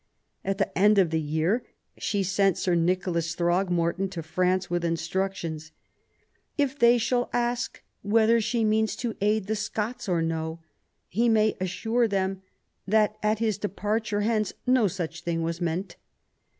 At the end of the year she sent Sir Nicholas Throgmorton to France with instructions :" If they shall ask whether she means to aid the Scots or no, he may assure them that at his departure hence no such thing was meant".